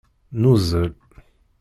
Nuzzel.